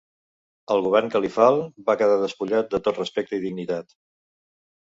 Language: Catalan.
El govern califal va quedar despullat de tot respecte i dignitat.